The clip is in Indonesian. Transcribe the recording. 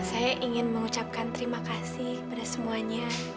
saya ingin mengucapkan terima kasih kepada semuanya